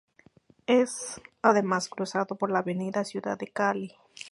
Es además cruzado por la Avenida Ciudad de Cali.